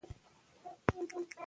علم او پوهه خپره کړئ.